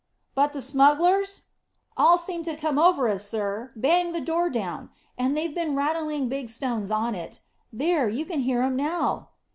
"But the smugglers?" "All seemed to come over us, sir; banged the door down, and they've been rattling big stones on it. There, you can hear 'em now."